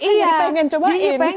iya pengen cobain